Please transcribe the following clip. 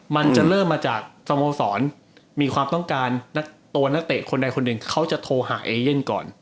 มันจะเริ่มมาจากสโมสรมีความต้องการตัวนักเตะคนใดคนหนึ่งเขาจะโทรหาเอเย่นก่อน